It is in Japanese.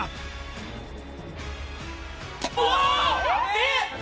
えっ！？